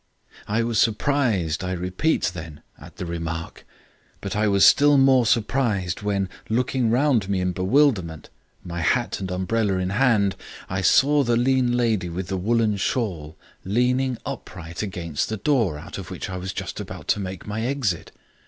"I was surprised, I repeat, then, at the remark. But I was still more surprised when, looking round me in bewilderment, my hat and umbrella in hand, I saw the lean lady with the woollen shawl leaning upright against the door out of which I was just about to make my exit.